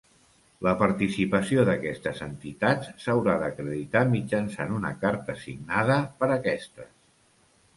La participació d'aquestes entitats s'haurà d'acreditar mitjançant una carta signada per aquestes.